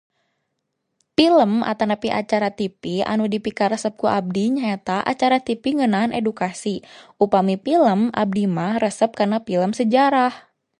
Pilem atanapi acara TV anu dipikaresep ku abdi nyaeta acara TV ngeunaan edukasi. Upami pilem, abdi mah resep kana pilem sejarah.